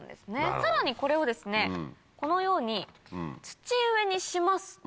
さらにこれをこのように土植えにしますと。